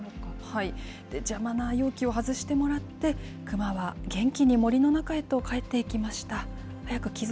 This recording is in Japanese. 邪魔な容器を外してもらって、クマは元気に森の中へと帰っていきました。